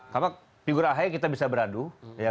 karena figur ahaya kita bisa berada di dalam